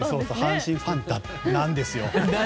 阪神ファンなんですよ。